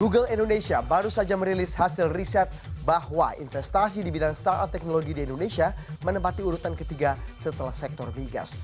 google indonesia baru saja merilis hasil riset bahwa investasi di bidang startup teknologi di indonesia menempati urutan ketiga setelah sektor migas